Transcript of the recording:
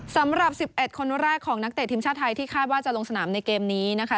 สำหรับ๑๑คนแรกของนักเตะทีมชาติไทยที่คาดว่าจะลงสนามในเกมนี้นะคะ